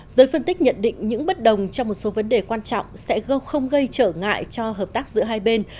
giới phân tích nhận định những bất đồng trong một số vấn đề quan trọng sẽ không gây trở ngại cho hợp tác giữa hai bên